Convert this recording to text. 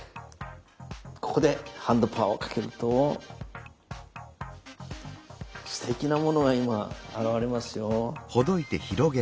ここでハンドパワーをかけるとすてきなものが今現れますよ。